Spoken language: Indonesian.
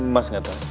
mas nggak tahu